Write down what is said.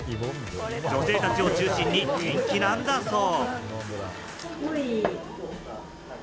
女性たちを中心に人気なんだそう。